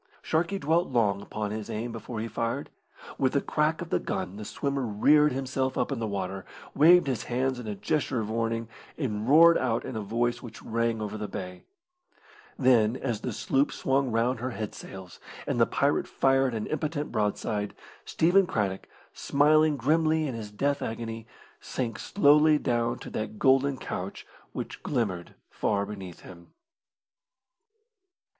Sharkey dwelt long upon his aim before he fired. With the crack of the gun the swimmer reared himself up in the water, waved his hands in a gesture of warning, and roared out in a voice which rang over the bay. Then, as the sloop swung round her head sails, and the pirate fired an impotent broadside, Stephen Craddock, smiling grimly in his death agony, sank slowly down to that golden couch which glimmered far beneath him.